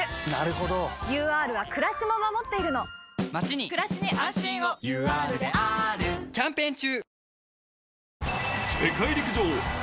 ＵＲはくらしも守っているのまちにくらしに安心をＵＲであーるキャンペーン中！